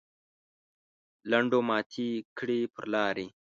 لنډو ماتې کړې پر لارې.